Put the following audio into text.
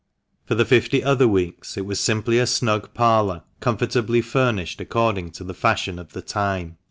For the fifty other weeks it was simply a snug parlour, comfortably furnished according to the fashion of the time.